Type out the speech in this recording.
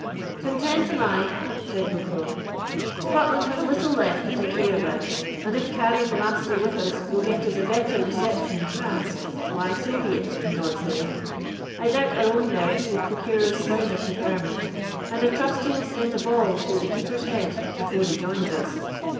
"Content am I," said Bucklaw; "Scotland has little left that I care about; and if carrying the Master with us will get us a better reception in France, why, so be it, a God's name. I doubt our own merits will procure us slender preferment; and I trust he will send a ball through the Keeper's head before he joins us.